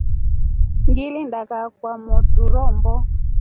Ngilinda kaa kwa mwotru rombo.